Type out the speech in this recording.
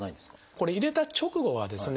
これ入れた直後はですね